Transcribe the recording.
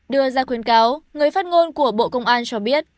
đưa ra khuyến cáo người phát ngôn của bộ công an cho biết